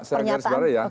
pak saya garis bawahi ya